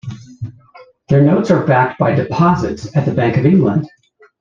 Their notes are backed by deposits at the Bank of England.